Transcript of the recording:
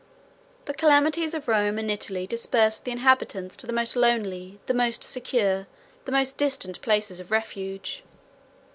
The calamities of Rome and Italy dispersed the inhabitants to the most lonely, the most secure, the most distant places of refuge.